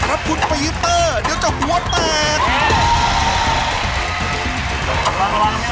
นะครับคุณปีธรเดี๋ยวจะหัวตายนะครับ